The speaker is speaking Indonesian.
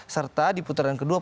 serta di putaran kedua